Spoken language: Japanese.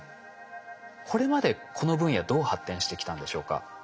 これまでこの分野どう発展してきたんでしょうか？